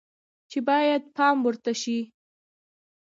چې باید پام ورته شي